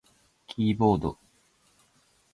キーボード